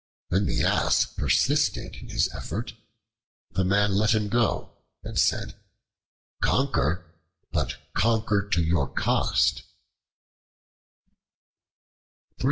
When the Ass persisted in his effort, the man let him go and said, "Conquer, but conquer to your cost."